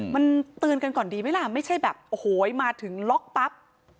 มันเตือนกันก่อนดีไหมล่ะไม่ใช่แบบโอ้โหมาถึงล็อกปั๊บ